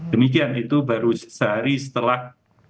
demikian itu baru sehari setelah